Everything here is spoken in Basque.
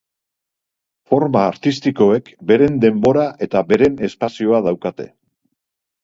Forma artistikoek beren denbora eta beren espazioa daukate.